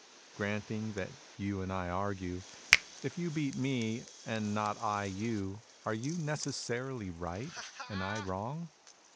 Granting that you and I argue. If you beat me, and not I you, are you necessarily right and I wrong